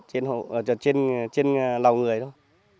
trên lòng người thôi